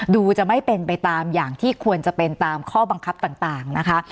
จะไม่เป็นไปตามอย่างที่ควรจะเป็นตามข้อบังคับต่างนะคะ